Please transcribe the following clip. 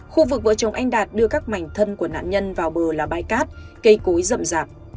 khu vực vợ chồng anh đạt đưa các mảnh thân của nạn nhân vào bờ là bãi cát cây cúi rậm rạp